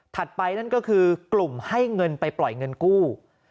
ไปนั่นก็คือกลุ่มให้เงินไปปล่อยเงินกู้